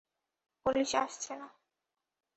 Police আসছে না।